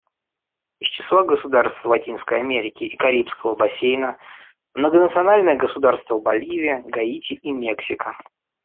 Из числа государств Латинской Америки и Карибского бассейна — Многонациональное Государство Боливия, Гаити и Мексика.